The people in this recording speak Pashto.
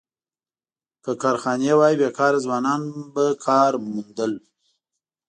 که کارخانې وای، بېکاره ځوانان به کار موندل.